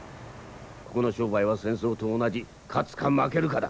ここの商売は戦争と同じ勝つか負けるかだ。